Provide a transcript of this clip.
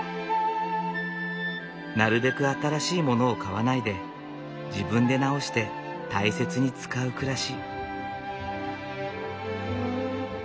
なるべく新しいものを買わないで自分で直して大切に使う暮らし。